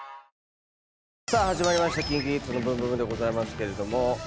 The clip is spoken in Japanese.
始まりました『ＫｉｎＫｉＫｉｄｓのブンブブーン！』でございますけれども。